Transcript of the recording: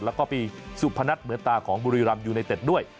แล้วก็มีสุพนัทเหมือนตาของบุรีรำยูไนเต็ดด้วย